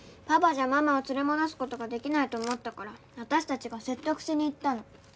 パパじゃママを連れ戻す事ができないと思ったから私たちが説得しに行ったの。